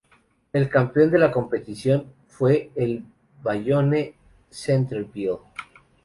El campeón de la competición fue el Bayonne Centerville.